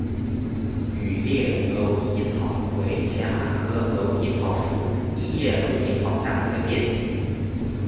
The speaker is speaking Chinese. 羽裂楼梯草为荨麻科楼梯草属异叶楼梯草下的一个变型。